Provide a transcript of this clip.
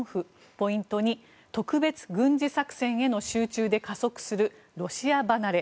ポイント２特別軍事作戦への集中で加速するロシア離れ。